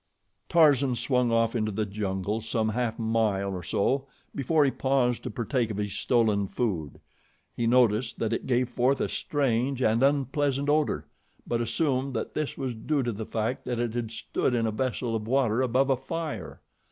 Tarzan swung off into the jungle some half mile or so before he paused to partake of his stolen food. He noticed that it gave forth a strange and unpleasant odor, but assumed that this was due to the fact that it had stood in a vessel of water above a fire.